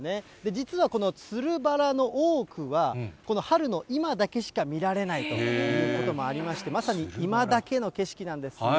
実はこのつるバラの多くは、この春の今だけしか見られないということもありまして、まさに今だけの景色なんですね。